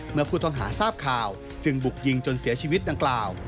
เมื่อผู้ต้องหาทราบข่าวจึงบุกยิงจนเสียชีวิตดังกล่าว